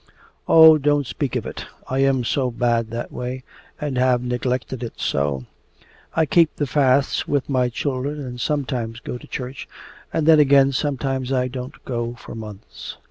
'Oh, don't speak of it. I am so bad that way, and have neglected it so! I keep the fasts with the children and sometimes go to church, and then again sometimes I don't go for months.